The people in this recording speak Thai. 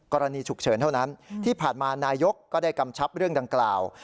กรณีฉุกเฉินเท่านั้นที่ผ่านมานายกก็ได้กำชับเรื่องดังกล่าว